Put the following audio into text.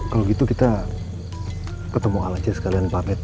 kalau gitu kita ketemu ala jes kalian pamit